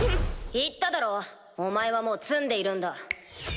言っただろお前はもう詰んでいるんだ。